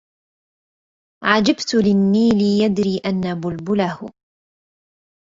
عجبت للنيل يدري أن بلبله